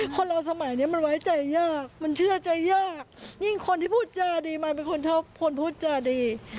คนเราสมัยนี้มันไว้ใจยากมันเชื่อใจยากยิ่งคนที่พูดจาดีมันเป็นคนชอบคนพูดจาดี